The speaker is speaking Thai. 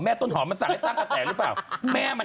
ต้นหอมมันสั่งให้ตั้งกระแสหรือเปล่า